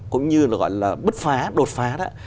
cũng như gọi là bứt phá đột phá đó